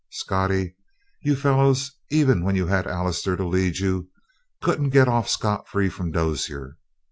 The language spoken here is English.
Scottie, you fellows, even when you had Allister to lead you, couldn't get off scot free from Dozier.